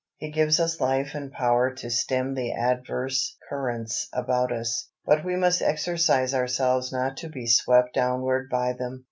He gives us life and power to stem the adverse currents about us, but we must exercise ourselves not to be swept downward by them.